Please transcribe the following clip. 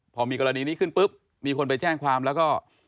พอมีกรณีนี้ขึ้นปุ๊บมีคนไปแจ้งความแล้วก็